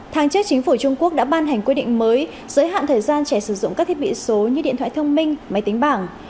tháng trước chính phủ trung quốc đã ban hành quy định mới giới hạn thời gian trẻ sử dụng các thiết bị số như điện thoại thông minh máy tính bảng